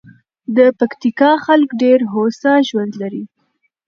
د پکتیکا خلک ډېر هوسا ژوند لري.